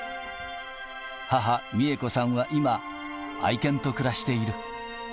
母、三恵子さんは今、愛犬と暮らしている。